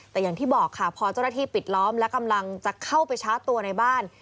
แต่อย่างที่บอกค่ะพอเจ้าหน้าที่ปิดล้อมและกำลังจะเข้าไปชาร์จตัวในบ้าน